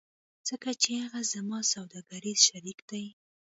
ځکه چې هغه زما سوداګریز شریک دی